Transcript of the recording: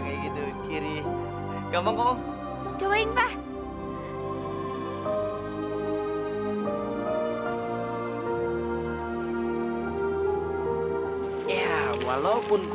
wah ya modelling